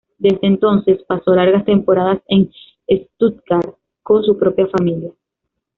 Desde entonces pasó largas temporadas en Stuttgart, con su propia familia.